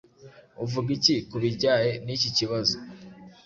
Uvuga iki kubijyae niki kibazo?